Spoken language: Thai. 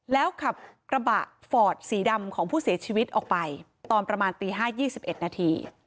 แล้วขับกระบะฟอร์ดสีดำของผู้เสียชีวิตออกไปตอนประมาณตี๕๒๑นาที